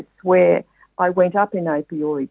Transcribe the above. ketika saya berubah menjadi opioid